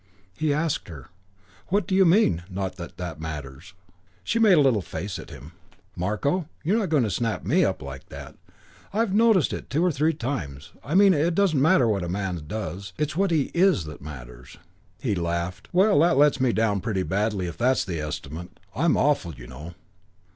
He asked her, "What do you mean 'not that that matters'?" She made a little face at him. "Marko, you're not to snap me up like that. I've noticed it two or three times. I mean it doesn't matter what a man does. It's what he is that matters." He laughed. "Well, that lets me down pretty badly if that's the estimate. I'm awful, you know."